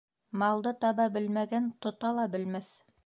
Малды таба белмәгән тота ла белмәҫ.